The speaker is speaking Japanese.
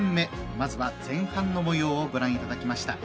まずは前半のもようをご覧いただきました。